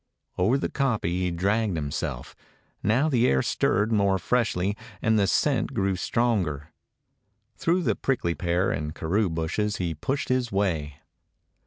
Over the kopje he dragged himself. Now the air stirred more freshly, and the scent grew stronger. Through the prickly pear and karoo bushes he pushed his way.